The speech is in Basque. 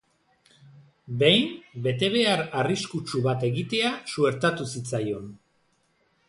Behin, betebehar arriskutsu bat egitea suertatu zitzaion.